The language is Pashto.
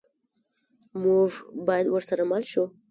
موږ باید ورسره مل شو.